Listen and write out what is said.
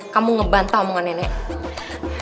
kamu ngebantah omongan nenek